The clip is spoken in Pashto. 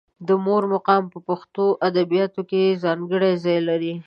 د مور مقام په پښتو ادبیاتو کې ځانګړی ځای لري.